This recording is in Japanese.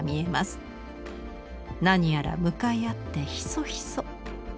何やら向かい合ってヒソヒソ。